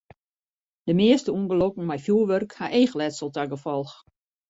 De measte ûngelokken mei fjurwurk ha eachletsel ta gefolch.